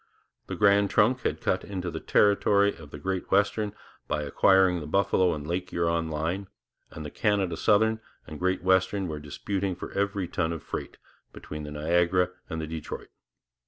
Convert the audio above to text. The Grand Trunk had cut into the territory of the Great Western by acquiring the Buffalo and Lake Huron line, and the Canada Southern and the Great Western were disputing for every ton of freight between the Niagara and the Detroit.